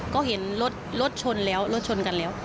ก็เห็นรถรถชนแล้วรถชนกันแล้ว